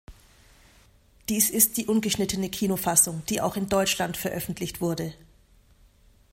Dies ist die ungeschnittene Kinofassung, die auch in Deutschland veröffentlicht wurde.